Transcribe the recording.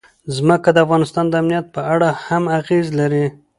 ځمکه د افغانستان د امنیت په اړه هم اغېز لري.